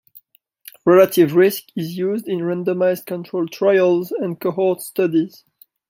Relative risk is used in randomized controlled trials and cohort studies.